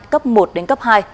cấp một đến cấp hai